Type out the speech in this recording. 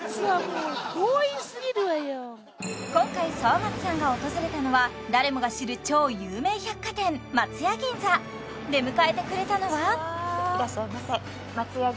今回沢松さんが訪れたのは誰もが知る超有名百貨店出迎えてくれたのはいらっしゃいませ松屋